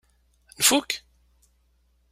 Nfuk?